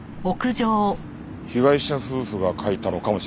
被害者夫婦が書いたのかもしれないな。